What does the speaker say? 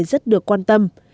rất được quan tâm